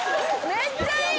めっちゃいい！